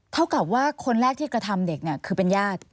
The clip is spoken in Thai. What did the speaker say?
เท่ากับว่าคนแรกที่กระทำเด็กเนี่ยคือเป็นญาติ